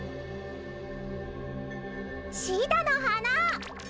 シダのはな！